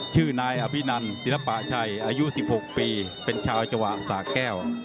ชื่อนายอภินันศิลปะชัยอายุ๑๖ปีเป็นชาวจังหวัดสาแก้ว